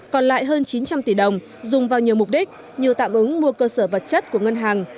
còn lại hơn chín trăm linh tỷ đồng dùng vào nhiều mục đích như tạm ứng mua cơ sở vật chất của ngân hàng